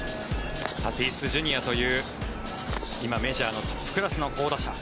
タティスＪｒ．という今メジャーのトップクラスの好打者。